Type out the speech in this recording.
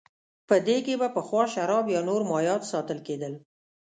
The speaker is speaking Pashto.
په دې کې به پخوا شراب یا نور مایعات ساتل کېدل